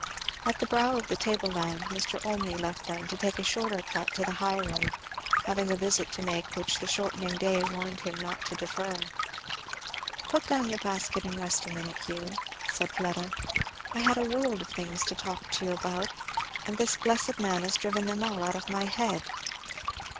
At the brow of the table land Mr. Olmney left them to take a shorter cut to the high road, having a visit to make which the shortening day warned him not to defer. "Put down your basket and rest a minute, Hugh," said Fleda. "I had a world of things to talk to you about, and this blessed man has driven them all out of my head."